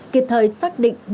kịp thời xác định nhân dân